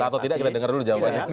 atau tidak kita dengar dulu jawabannya